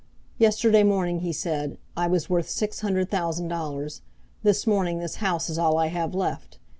"Yesterday morning," he said, "I was worth six hundred thousand dollars. This morning this house is all I have left.